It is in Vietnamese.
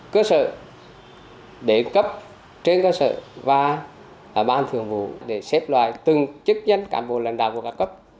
cơ sở đến cấp trên cơ sở và ban thường vụ để xếp loại từng chức nhân cán bộ lãnh đạo của các cấp